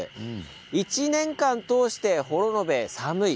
１年間通して幌延、寒い。